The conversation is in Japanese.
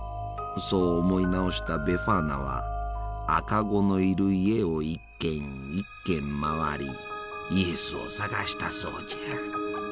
そう思い直したベファーナは赤子のいる家を一軒一軒回りイエスを捜したそうじゃ。